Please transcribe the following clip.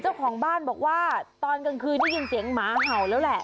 เจ้าของบ้านบอกว่าตอนกลางคืนได้ยินเสียงหมาเห่าแล้วแหละ